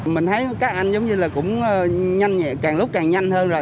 mình thấy các anh giống như là cũng nhanh nhẹ càng lúc càng nhanh hơn rồi